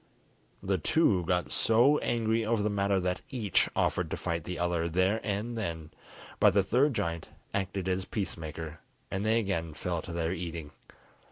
The two got so angry over the matter that each offered to fight the other there and then, but the third giant acted as peace maker, and they again fell to their eating.